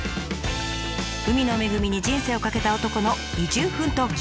海の恵みに人生を懸けた男の移住奮闘記！